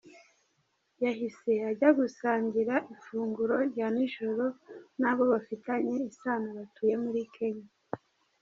Yahise ajya gusangira ifunguro rya nijoro nabo bafitanye isano batuye muri Kenya.